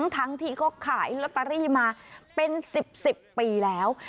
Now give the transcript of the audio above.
ทั้งที่เขาขายลอตเตอรี่มาเป็น๑๐๑๐ปีแล้ว